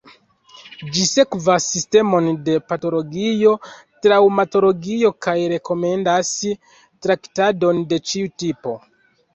Ĝi sekvas sistemon de patologio-traŭmatologio kaj rekomendas traktadon de ĉiu tipo.